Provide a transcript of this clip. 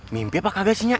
mimpi apa kagak sih nge